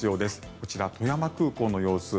こちら、富山空港の様子。